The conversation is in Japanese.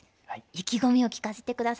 意気込みを聞かせて下さい。